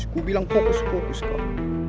aku bilang fokus fokus kau